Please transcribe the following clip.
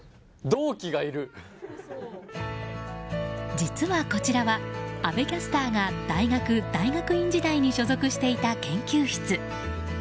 実は、こちらは阿部キャスターが大学・大学院時代に所属していた研究室。